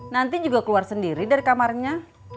nanti juga keluar sendiri dari kamarnya